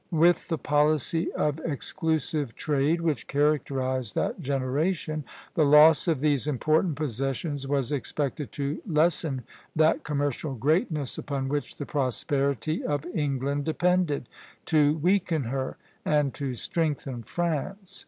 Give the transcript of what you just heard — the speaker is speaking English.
With the policy of exclusive trade which characterized that generation, the loss of these important possessions was expected to lessen that commercial greatness upon which the prosperity of England depended, to weaken her and to strengthen France.